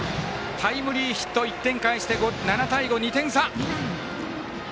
タイムリーヒット、１点返して７対５、２点差。